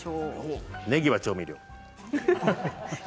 ねぎは調味料。